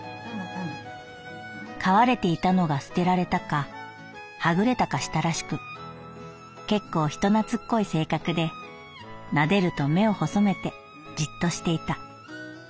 「飼われていたのが捨てられたかはぐれたかしたらしく結構人懐っこい性格で撫でると目を細めてじっとしていた」。